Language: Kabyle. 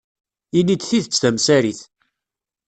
Ini-d tidet tamsarit.